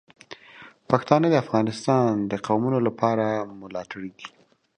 پښتانه د افغانستان د قومونو لپاره ملاتړي دي.